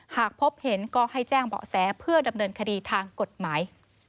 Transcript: หากพบเห็นก็ให้แจ้งเบาะแสเพื่อดำเนินคดีทางกฎหมาย